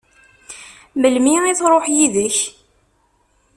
Melmi i tṛuḥ yid-k?